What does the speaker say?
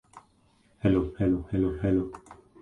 White was reportedly abusive during their marriage.